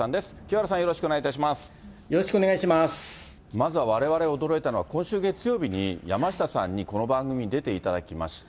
まずはわれわれ驚いたのは、今週月曜日に山下さんにこの番組に出ていただきました。